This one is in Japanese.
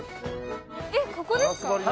えっ、ここですか？